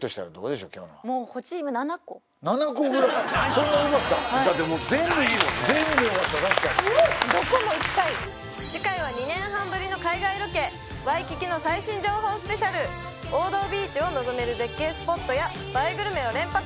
確かにどこも行きたい次回は２年半ぶりの海外ロケワイキキの最新情報スペシャル王道ビーチを望める絶景スポットや映えグルメを連発！